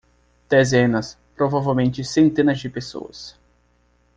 Dezenas, provavelmente centenas de pessoas.